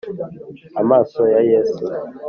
Amaso ya Yesu